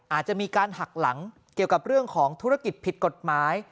อาจจะมีการหักหลังเกี่ยวกับเรื่องของธุรกิจผิดกฎหมาย